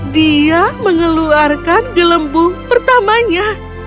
dia mengeluarkan gelembung pertamanya